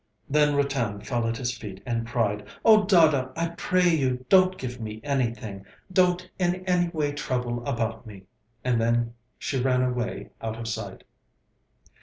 Then Ratan fell at his feet and cried: 'Oh, Dada, I pray you, don't give me anything, don't in any way trouble about me,' and then she ran away out of sight.